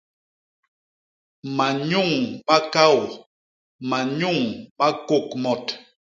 Manyuñ ma kaô; manyuñ ma kôkmot.